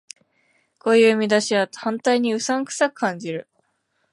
こういう見出しは反対にうさんくさく感じる